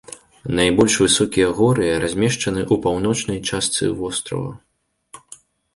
Найбольш высокія горы размешчаны ў паўночнай частцы вострава.